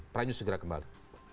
prime news segera kembali